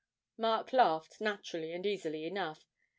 Mark laughed naturally and easily enough.